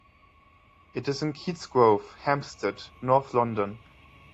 It is in Keats Grove, Hampstead, north London.